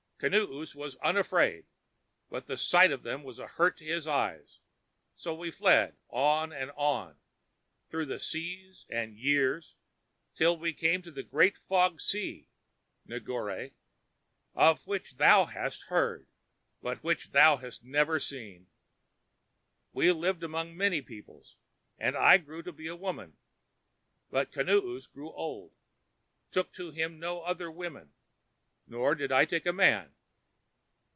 Kinoos was unafraid, but the sight of them was a hurt to his eyes; so we fled on and on, through the seas and years, till we came to the Great Fog Sea, Negore, of which thou hast heard, but which thou hast never seen. We lived among many peoples, and I grew to be a woman; but Kinoos, growing old, took to him no other woman, nor did I take a man.